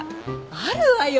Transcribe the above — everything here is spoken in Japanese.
あるわよ。